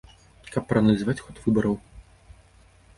Каб прааналізаваць ход выбараў.